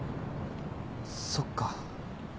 そっか。